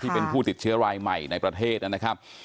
เป็นผู้ติดเชื้อรายใหม่ในประเทศนะครับ